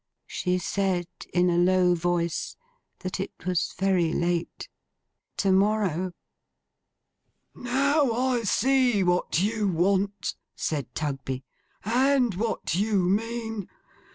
She said in a low voice, that it was very late. To morrow. 'Now I see what you want,' said Tugby; 'and what you mean.